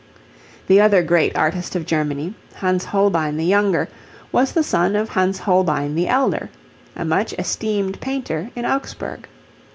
The other great artist of Germany, Hans Holbein the younger, was the son of Hans Holbein the elder, a much esteemed painter in Augsburg.